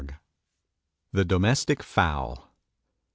] THE DOMESTIC FOWL.